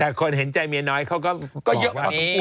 แต่คนเห็นใจเมียน้อยเขาก็บอกว่าก็ปวด